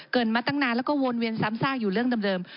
มาตั้งนานแล้วก็วนเวียนซ้ำซากอยู่เรื่องเดิม